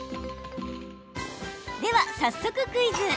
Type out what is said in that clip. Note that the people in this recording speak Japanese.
では早速クイズ！